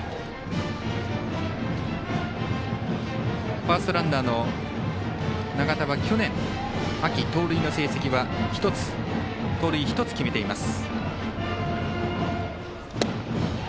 ファーストランナーの永田は去年の秋、盗塁の成績１つ決めています。